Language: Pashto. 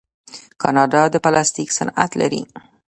کاناډا د پلاستیک صنعت لري.